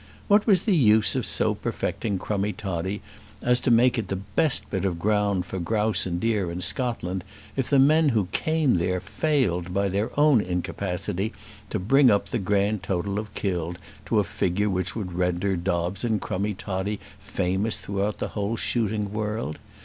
What was the use of so perfecting Crummie Toddie as to make it the best bit of ground for grouse and deer in Scotland, if the men who came there failed by their own incapacity to bring up the grand total of killed to a figure which would render Dobbes and Crummie Toddie famous throughout the whole shooting world?